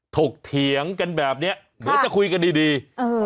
ถกเถียงกันแบบเนี้ยเดี๋ยวจะคุยกันดีดีเออ